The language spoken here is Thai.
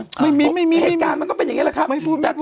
ไม่มีไม่มีมันก็เป็นอย่างเงี้ยแหละครับไม่พูดไม่พูด